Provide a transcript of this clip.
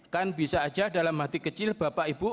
kan bisa aja dalam hati kecil bapak ibu